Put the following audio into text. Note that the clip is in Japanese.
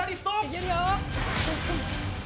いけるよ！